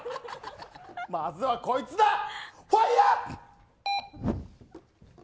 まずはこいつだ！